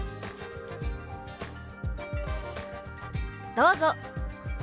どうぞ！